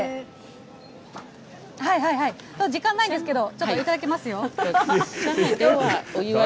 時間ないんですけど、ちょっと頂きますよ。